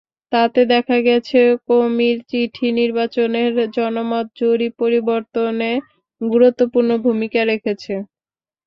তাতে দেখা গেছে, কোমির চিঠি নির্বাচনের জনমত জরিপ পরিবর্তনে গুরুত্বপূর্ণ ভূমিকা রেখেছে।